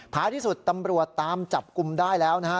ท้ายที่สุดตำรวจตามจับกลุ่มได้แล้วนะฮะ